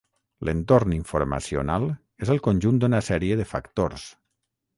L’entorn informacional és el conjunt d’una sèrie de factors.